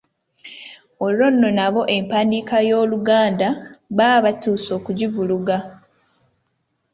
Olwo nno nabo empandiika y’Oluganda baba batuuse ate okugivuluga.